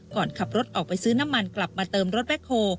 ก่อนขับรถออกไปซื้อน้ำมันกลับมาเติมรถแบ็คโฮ